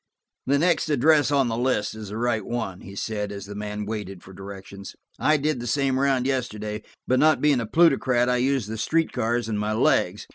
"The next address on the list is the right one," he said, as the man waited for directions. "I did the same round yesterday, but not being a plutocrat, I used the street cars and my legs.